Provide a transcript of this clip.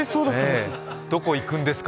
どこへ行くんですか